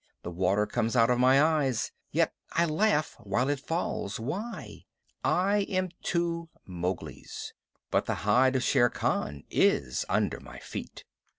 The water comes out of my eyes; yet I laugh while it falls. Why? I am two Mowglis, but the hide of Shere Khan is under my feet.